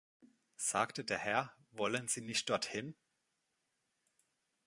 Sagte der Herr „Wollen Sie nicht dorthin?“